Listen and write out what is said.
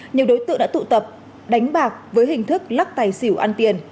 nhiều đối tượng đã tụ tập đánh bạc với hình thức lắc tài xỉu ăn tiền